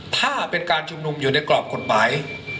ถ้าเป็นการชุมนุมอยู่ในกรอบกฎหมาย